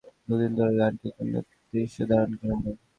সুন্দরবনের বেশ কয়েকটি জায়গায় দুই দিন ধরে গানটির জন্য দৃশ্যধারণ করা হয়।